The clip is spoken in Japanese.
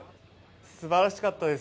素晴らしかったです。